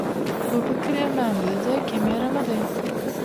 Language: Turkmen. bu pikir hemmämize-de kem ýaramady.